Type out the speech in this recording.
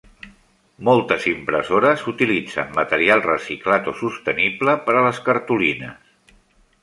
Moltes impressores utilitzen material reciclat o sostenible per a les cartolines.